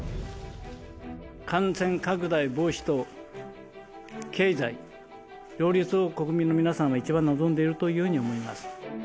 感染拡大防止と経済両立を国民の皆さんは一番望んでいるというふうに思います。